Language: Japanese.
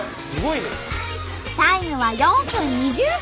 タイムは４分２０秒！